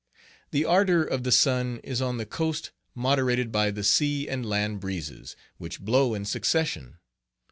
The ardor of the sun is on the coast moderated by the sea and land breezes, which blow in succession.